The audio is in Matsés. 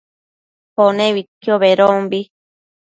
Pone uidquio bedombi